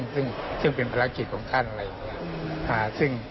ซึ่งเป็นภารกิจของข้าน